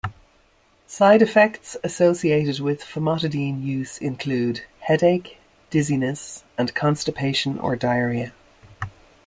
Side effects associated with famotidine use include headache, dizziness, and constipation or diarrhea.